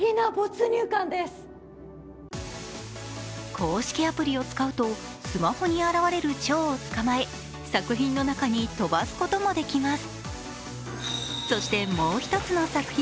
公式アプリを使うとスマホに現れる蝶をつかまえ作品の中に飛ばすこともできます。